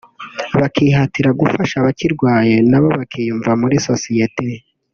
bakihatira gufasha abakirwaye nabo bakiyumva muri sosiyete